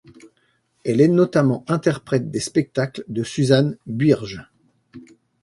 Elle est notamment interprète des spectacles de Susan Buirge.